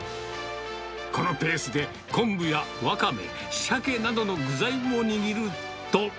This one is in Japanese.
このペースで、昆布やワカメ、シャケなどの具材を握ると。